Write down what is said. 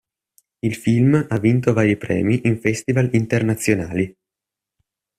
Il film ha vinto vari premi in festival internazionali.